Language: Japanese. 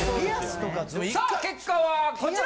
さあ結果はこちら！